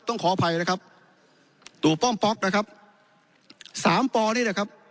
ต้องขออภัยนะครับตูป้อมป๊อกนะครับสามปอดี้นะครับ